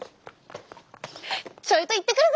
ちょいと行ってくるぜ！